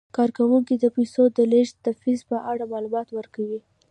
کارکوونکي د پیسو د لیږد د فیس په اړه معلومات ورکوي.